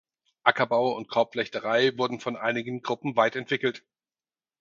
Ackerbau und Korbflechterei wurden von einigen Gruppen weit entwickelt.